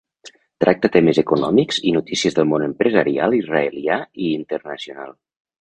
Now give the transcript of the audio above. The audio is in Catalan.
Tracta temes econòmics i notícies del món empresarial israelià i internacional.